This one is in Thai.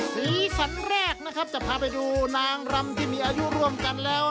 สีสันแรกนะครับจะพาไปดูนางรำที่มีอายุร่วมกันแล้ว